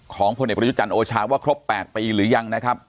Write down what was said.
พลเอกประยุจันทร์โอชาว่าครบ๘ปีหรือยังนะครับ